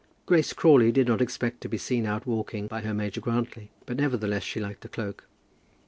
Grace Crawley did not expect to be seen out walking by her Major Grantly, but nevertheless she liked the cloak.